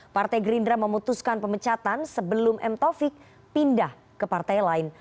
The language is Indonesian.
partai gerindra memutuskan pemecatan sebelum m taufik pindah ke partai lain